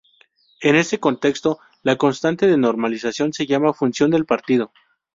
En ese contexto, la constante de normalización se llama función de partición.